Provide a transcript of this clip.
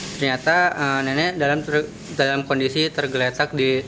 ternyata nenek dalam kondisi tergeletak di